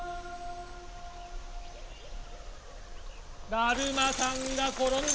だるまさんがころんだ！